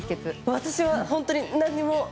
私は本当に何も。